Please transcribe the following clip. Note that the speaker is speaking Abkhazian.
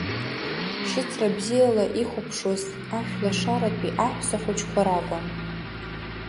Шьыцра бзиала ихәаԥшуаз Ашәлашаратәи аҳәса хәыҷқәа ракәын.